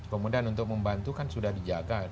kemudian untuk membantu kan sudah dijaga